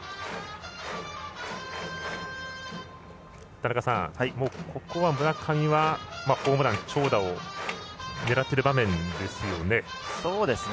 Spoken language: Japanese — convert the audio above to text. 田中さん、ここは村上はホームラン、長打を狙ってる場面ですよね。